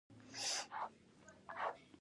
مدني مبارزه یوه اوږده او وخت نیوونکې پروسه ده.